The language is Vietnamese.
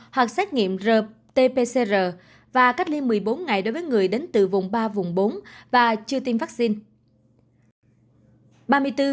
hoặc xét nghiệm rt pcr và cách ly một mươi bốn ngày đối với người đến từ vùng ba vùng bốn và chưa tiêm vaccine